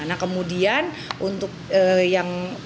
nah kemudian untuk yang vaksin pertama itu adalah vaksin yang berubah